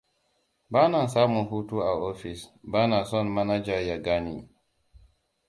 Bana samun hutu a ofis. Bana son manaja ya ganni.